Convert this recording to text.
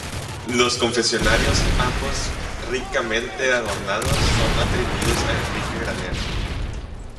Los confesionarios, ambos ricamente adornados, son atribuidos a Enrique Granero.